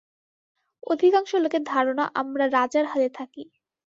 অধিকাংশ লোকের ধারণা, আমরা রাজার হালে থাকি।